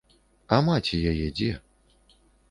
А маці яе дзе?